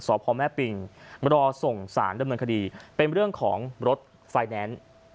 สอบพ่อแม่ปิงรอส่งสารดำเนินคดีเป็นเรื่องของรถไฟแนนซ์